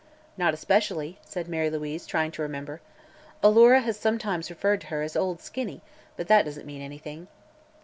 "Not especially," said Mary Louise, trying to remember. "Alora has sometimes referred to her as 'Old Skinny,' but that doesn't mean anything."